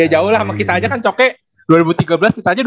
ya jauh lah kita aja kan coke dua ribu tiga belas kita aja dua ribu lima belas